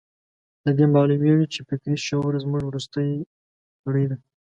له دې معلومېږي چې فکري شعور زموږ وروستۍ کړۍ ده.